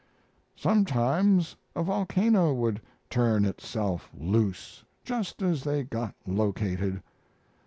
Sometimes a volcano would turn itself loose just as they got located.